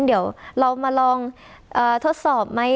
เดี๋ยวเรามาลองทดสอบไหม